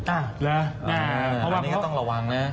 อ้าวจริงหรืออันนี้ก็ต้องระวังนะ